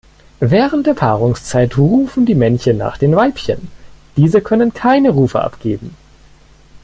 Während der Paarungszeit rufen die Männchen nach den Weibchen; diese können keine Rufe abgeben.